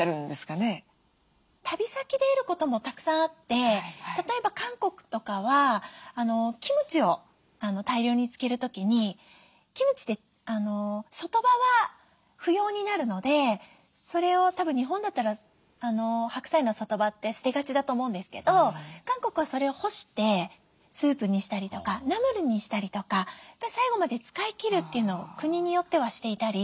旅先で得ることもたくさんあって例えば韓国とかはキムチを大量に漬ける時にキムチって外葉は不要になるのでそれをたぶん日本だったら白菜の外葉って捨てがちだと思うんですけど韓国はそれを干してスープにしたりとかナムルにしたりとか最後まで使い切るというのを国によってはしていたり。